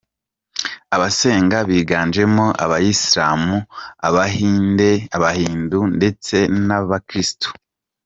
Abasenga biganjemo Abayisilamu, Aba-Hindu ndetse n’abakirisitu.